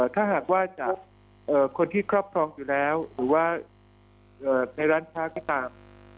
ถ้าหากว่าจากคนที่ครอบครองอยู่แล้วหรือว่าในร้านค้าก็ตาม